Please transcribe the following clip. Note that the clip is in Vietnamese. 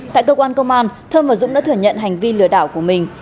tại cơ quan công an thơm và dũng đã thừa nhận hành vi lừa đảo của mình